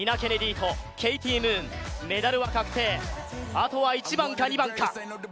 あとは１番か２番か。